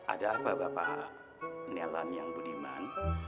ada apa bapak nelan yang budiman